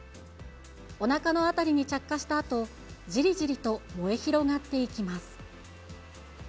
おなかの辺りに着火したあと、じりじりと燃え広がっていきます。